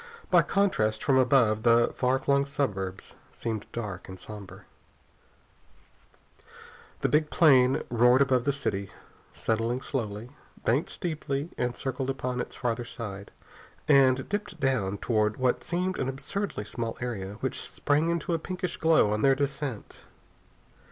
By contrast, from above, the far flung suburbs seemed dark and somber. The big plane roared above the city, settling slowly; banked steeply and circled upon its farther side, and dipped down toward what seemed an absurdly small area, which sprang into a pinkish glow on their descent.